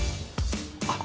あっ。